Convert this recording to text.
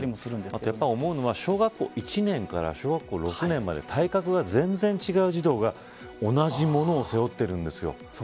あと思うのは小学校１年から小学校６年まで体格が全然違う児童が同じものを背負っているんです。